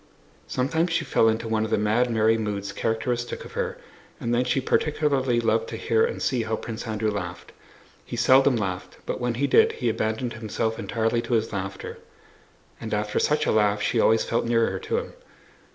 Sometimes she fell into one of the mad, merry moods characteristic of her, and then she particularly loved to hear and see how Prince Andrew laughed. He seldom laughed, but when he did he abandoned himself entirely to his laughter, and after such a laugh she always felt nearer to him.